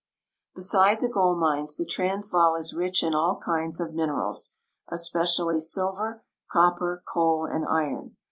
Beside the gold mines, the Transvaal is rich in all kinds of minerals, especially silver, copper, coal, and iron.